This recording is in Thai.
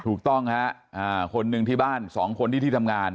ถูกต้องฮะคนหนึ่งที่บ้าน๒คนที่ที่ทำงาน